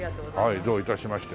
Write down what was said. はいどういたしまして。